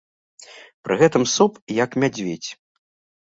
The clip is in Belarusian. Пры гэтым соп, як мядзведзь.